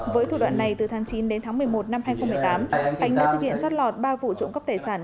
với thủ đoạn này từ tháng chín đến tháng một mươi một năm hai nghìn một mươi tám khánh đã thực hiện trót lọt ba vụ trộm cắp tài sản